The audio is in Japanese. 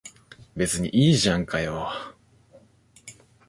別にいいじゃんかよ。